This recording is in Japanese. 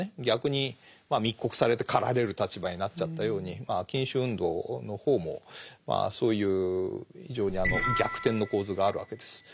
逆に密告されて狩られる立場になっちゃったように禁酒運動の方もそういう非常に逆転の構図があるわけです。